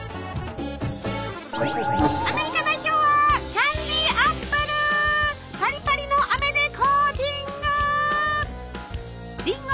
アメリカ代表はパリパリのアメでコーティング！